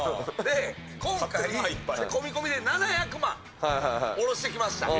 今回、こみこみで７００万、下ろしてきました。